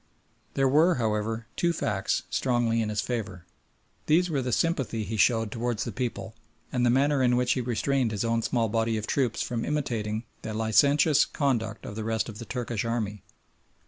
There were, however, two facts strongly in his favour. These were the sympathy he showed towards the people, and the manner in which he restrained his own small body of troops from imitating the licentious conduct of the rest of the Turkish army.